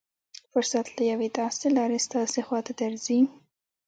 فرصت له يوې داسې لارې ستاسې خوا ته درځي.